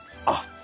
あ！